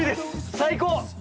最高。